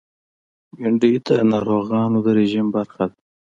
بېنډۍ د ناروغانو د رژیم برخه ده